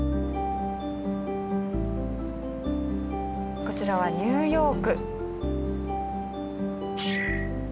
こちらはニューヨーク。